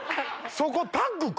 そこ。